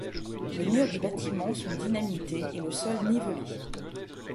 Les murs du bâtiment sont dynamités et le sol nivelé.